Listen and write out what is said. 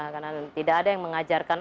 karena tidak ada yang mengajarkan anda